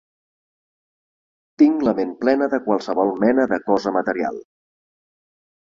Tinc la ment plena de qualsevol mena de cosa material.